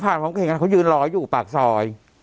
แต่ผมเห็นข้างเขายืนรออยู่ปากซอย